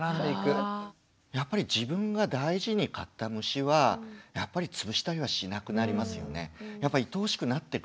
やっぱり自分が大事に飼った虫はつぶしたりはしなくなりますよね。